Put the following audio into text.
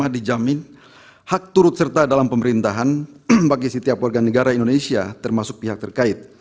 dijamin hak turut serta dalam pemerintahan bagi setiap warga negara indonesia termasuk pihak terkait